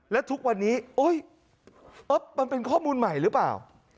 และทุกวันนี้มันเป็นข้อมูลใหม่หรือเปล่า